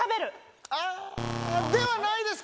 ではないです